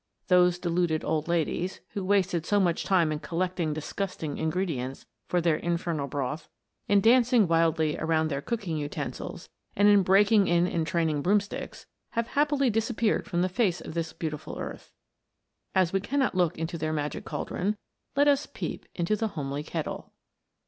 Those deluded old ladies, who wasted so much time in collecting disgusting ingredients for their infernal broth, in dancing wildly around their cooking uten sils, and in break ing in and training broomsticks, have happily disappeared from the face of this beau tiful earth, As we cannot look into their magic cauldron, let us peep into the homely kettle.